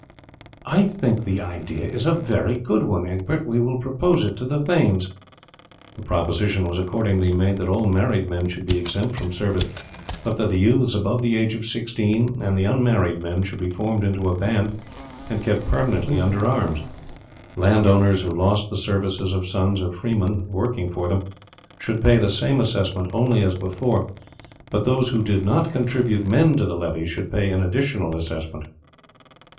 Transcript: "I think the idea is a very good one, Egbert; we will propose it to the thanes." The proposition was accordingly made that all married men should be exempt from service, but that the youths above the age of sixteen and the unmarried men should be formed into a band and kept permanently under arms. Landowners who lost the services of sons or freemen working for them should pay the same assessment only as before, but those who did not contribute men to the levy should pay an additional assessment.